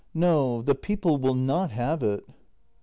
] No, the people will not have it.